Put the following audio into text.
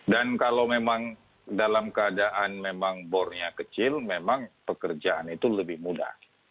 dan kalau memang dalam keadaan memang bornya kecil memang pekerjaan itu lebih mudah